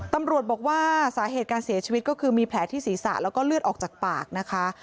ตำรวจบอกว่าสาเหตุการเสียชีวิตก็คือมีแผลที่ศีรษะแล้วก็เลือดออกจากปากนะคะ